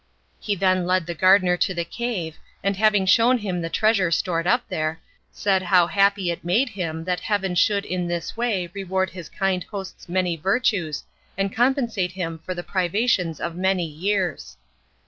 He then led the gardener to the cave, and having shown him the treasure stored up there, said how happy it made him that Heaven should in this way reward his kind host's many virtues and compensate him for the privations of many years.